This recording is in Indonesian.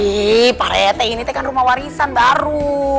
ih parete ini kan rumah warisan baru